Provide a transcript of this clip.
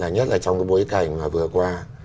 nhất là trong bối cảnh vừa qua